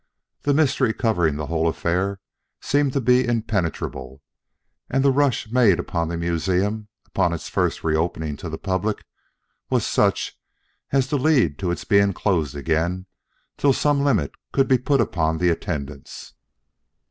The mystery covering the whole affair seemed to be impenetrable, and the rush made on the museum upon its first reopening to the public was such as to lead to its being closed again till some limit could be put upon the attendance.